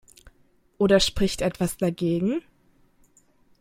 Oder spricht etwas dagegen?